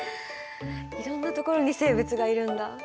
いろんな所に生物がいるんだ。